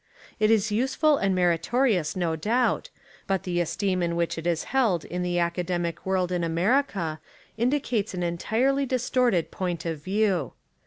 It is useful and meritorious no doubt, but the esteem in which it is held In the academic world in America in dicates an entirely distorted point of view.